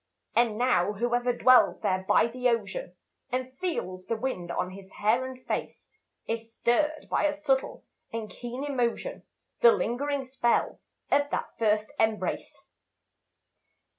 And now whoever dwells there by the ocean, And feels the wind on his hair and face, Is stirred by a subtle and keen emotion, The lingering spell of that first embrace.